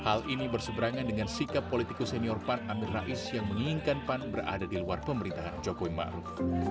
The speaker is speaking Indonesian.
hal ini berseberangan dengan sikap politikus senior pan amir rais yang menginginkan pan berada di luar pemerintahan jokowi ma'ruf